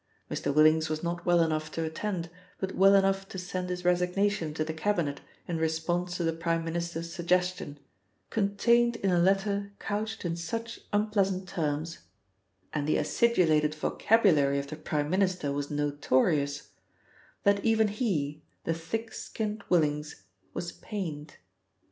Mr. Willings was not well enough to attend, but well enough to send his resignation to the Cabinet in response to the Prime Minister's suggestion, contained in a letter couched in such unpleasant terms and the acidulated vocabulary of the Prime Minister was notorious that even he, the thick skinned Willings, was pained.